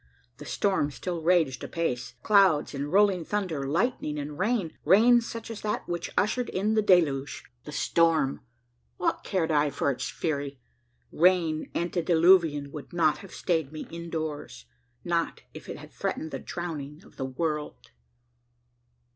The storm still raged apace. Clouds and rolling thunder, lightning and rain rain such as that which ushered in the Deluge! The storm! What cared I for its fury? Rain antediluvian would not have stayed me in doors not if it had threatened the drowning of the world!